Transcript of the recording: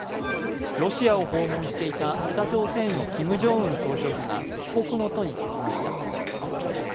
ロシアを訪問していた北朝鮮のキム・ジョンウン総書記が帰国の途につきました。